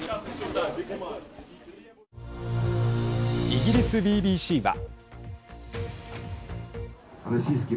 イギリスＢＢＣは。